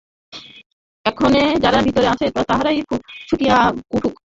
এক্ষণে যাহা ভিতরে আছে, তাহাই ফুটিয়া উঠুক।